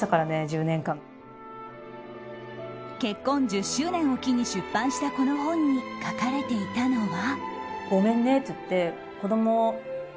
結婚１０周年を機に出版したこの本に書かれていたのは。